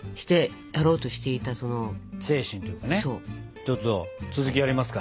ちょっと続きやりますか。